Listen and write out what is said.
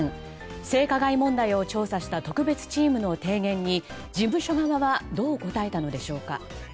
性加害問題を調査した特別チームの提言に事務所側はどう答えたのでしょうか。